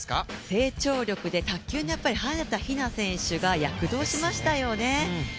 成長力で卓球の早田ひな選手が躍動しましたよね。